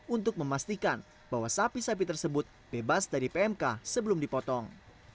untuk memastikan bahwa sapi sapi tersebut bebas dari pmk sebelum dipotong